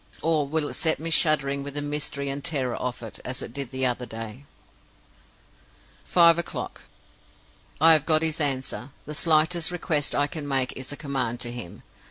Or will it set me shuddering with the mystery and terror of it, as it did the other day?" "Five o'clock. I have got his answer. The slightest request I can make is a command to him.